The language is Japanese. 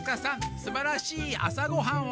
すばらしい朝ごはんを。